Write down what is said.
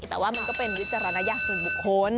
แต่ว่ามันก็เป็นวิจารณญาณส่วนบุคคล